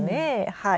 はい。